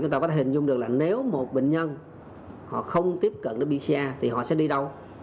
chúng ta có thể hình dung được là nếu một bệnh nhân họ không tiếp cận đến pcr thì họ sẽ đi đâu